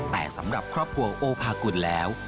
แต่สำหรับครอบครัวโอภากุลแล้ว